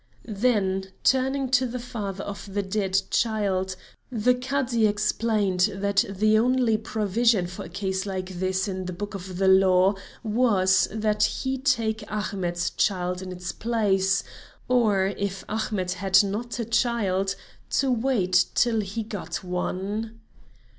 Then turning to the father of the dead child, the Cadi explained that the only provision for a case like this in the book of the law, was that he take Ahmet's child in its place, or if Ahmet had not a child, to wait till he got one.